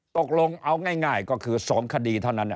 ตกลงเอาง่ายก็คือ๒คดีเท่านั้น